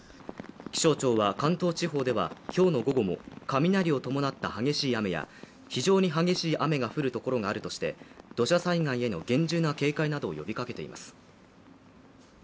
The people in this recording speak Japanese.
気象庁は関東地方では今日の午後も雷を伴った激しい雨や非常に激しい雨が降るところがあるとして土砂災害への厳重な警戒などを呼びかけています。